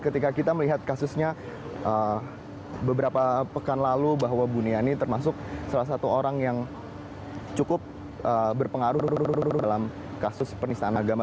ketika kita melihat kasusnya beberapa pekan lalu bahwa buniani termasuk salah satu orang yang cukup berpengaruh dalam kasus penistaan agama